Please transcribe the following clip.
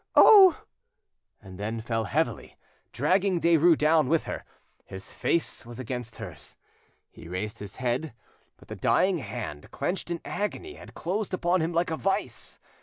—oh!" and then fell heavily, dragging Derues down with her. His face was against hers; he raised his head, but the dying hand, clenched in agony, had closed upon him like a vise.